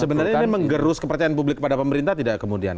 sebenarnya ini menggerus kepercayaan publik kepada pemerintah tidak kemudian